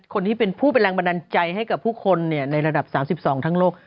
คนที่เป็นผู้เป็นแรงบันดาลใจให้กับผู้คนในระดับ๓๒ทั้งโลก